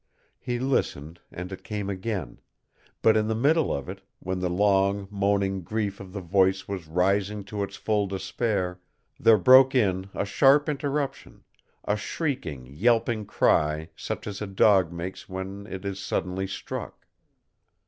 He listened, and it came again; but in the middle of it, when the long, moaning grief of the voice was rising to its full despair, there broke in a sharp interruption a shrieking, yelping cry, such as a dog makes when it is suddenly struck.